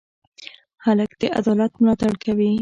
هلک د عدالت ملاتړ کوي.